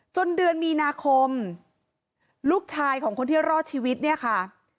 เดือนมีนาคมลูกชายของคนที่รอดชีวิตเนี่ยค่ะ